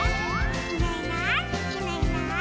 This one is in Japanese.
「いないいないいないいない」